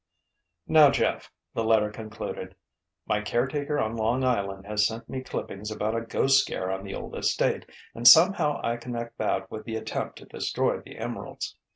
"Now Jeff," the letter concluded, "my caretaker on Long Island has sent me clippings about a ghost scare on the old estate, and somehow I connect that with the attempt to destroy the emeralds.